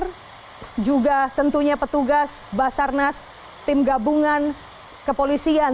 terima kasih banyak banyak juga tentunya petugas basarnas tim gabungan kepolisian